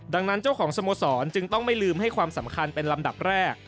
ดังนั้นเจ้าของสโมสรจึงต้องไม่ลืมให้ความสำคัญเป็นลำดับแรก